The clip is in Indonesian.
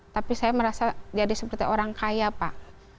tapi saya merasa jadi seperti orang kaya pak